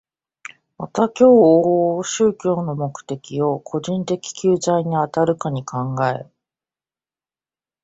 また今日往々宗教の目的を個人的救済にあるかに考え、